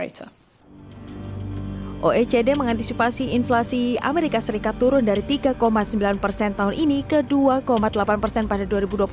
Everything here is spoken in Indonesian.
oecd mengantisipasi inflasi as turun dari tiga sembilan tahun ini ke dua delapan pada dua ribu dua puluh empat